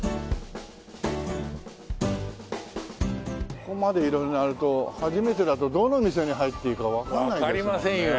ここまで色々あると初めてだとどの店に入っていいかわかんないですもんね。